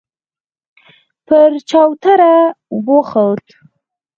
پر چوتره وخوت.